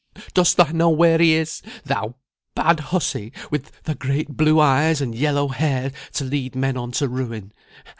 Dost thou know where he is, thou bad hussy, with thy great blue eyes and yellow hair, to lead men on to ruin?